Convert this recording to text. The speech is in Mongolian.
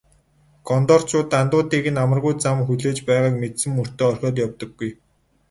Гондорчууд андуудыг нь амаргүй зам хүлээж байгааг мэдсэн мөртөө орхиод явдаггүй.